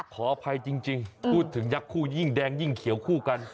ขออภัยจริงพูดถึงยักษ์คู่ยิ่งแดงยิ่งเขียวคู่กัน